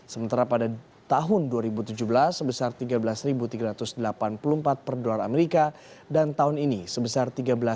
sementara pada tahun dua ribu tujuh belas sebesar tiga belas tiga ratus delapan puluh empat per dolar amerika dan tahun ini sebesar tiga belas delapan ratus